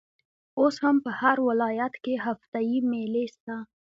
اوس هم په هر ولايت کښي هفته يي مېلې سته.